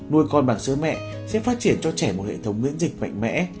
nuôi con bằng sữa mẹ sẽ phát triển cho trẻ một hệ thống miễn dịch mạnh mẽ